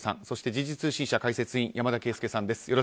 そして時事通信社解説委員山田惠資さんです。